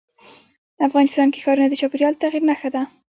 افغانستان کې ښارونه د چاپېریال د تغیر نښه ده.